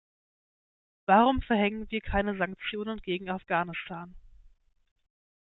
Warum verhängen wir keine Sanktionen gegen Afghanistan?